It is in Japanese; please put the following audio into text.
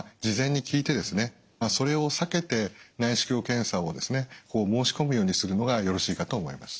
それを避けて内視鏡検査を申し込むようにするのがよろしいかと思います。